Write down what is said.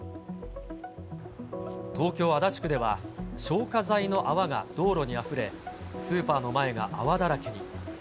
東京・足立区では、消火剤の泡が道路にあふれ、スーパーの前が泡だらけに。